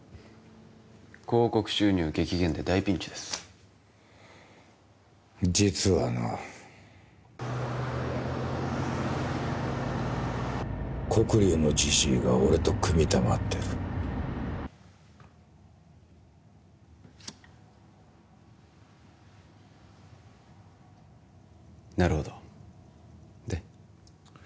広告収入激減で大ピンチです実はな黒龍のじじいが俺と組みたがってるなるほどで？